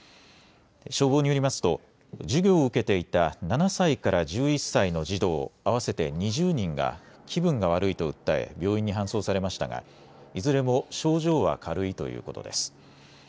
消防によりますと授業を受けていた７歳から１１歳の児童合わせて２０人が気分が悪いと訴え病院に搬送されましたが、いずれも症状は軽いということです。